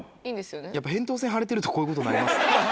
やっぱ扁桃腺腫れてるとこういうことになりますね。